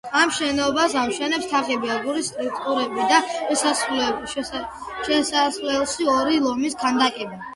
ამ შენობას ამშვენებს თაღები, აგურის სტრუქტურები და შესასვლელში ორი ლომის ქანდაკება.